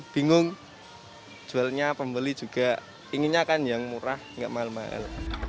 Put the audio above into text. bingung jualnya pembeli juga inginnya kan yang murah nggak mahal mahal